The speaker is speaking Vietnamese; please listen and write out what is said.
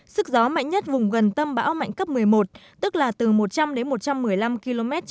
sức gió mạnh nhất vùng gần tâm bão mạnh cấp một mươi một tức là từ một trăm linh đến một trăm một mươi năm km